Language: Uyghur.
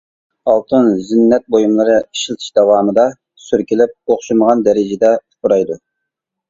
ئالتۇن زىننەت بۇيۇملىرى ئىشلىتىش داۋامىدا سۈركىلىپ ئوخشىمىغان دەرىجىدە ئۇپرايدۇ.